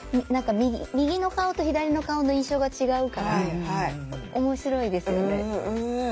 右の顔と左の顔の印象が違うから面白いですよね。